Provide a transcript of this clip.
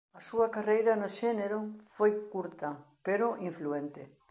A súa carreira no xénero foi curta pero influente.